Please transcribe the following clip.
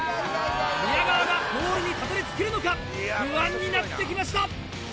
宮川がゴールにたどりつけるのか、不安になってきました。